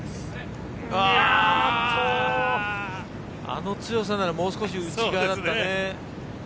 あの強さならもう少し内側だったね。